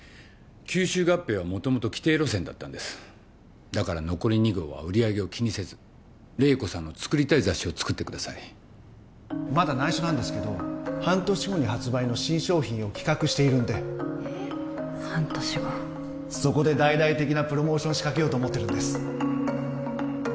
吸収合併は元々既定路線だったんですだから残り２号は売り上げを気にせず麗子さんの作りたい雑誌を作ってくださいまだ内緒なんですけど半年後に発売の新商品を企画しているんでえっそうなんですね半年後そこで大々的なプロモーション仕掛けようと思ってるんです